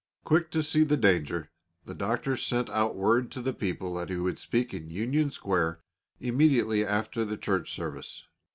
Quick to see the danger the Doctor sent out word to the people that he would speak in Union Square immediately after the church service.